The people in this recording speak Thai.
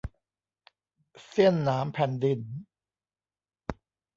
เสี้ยนหนามแผ่นดิน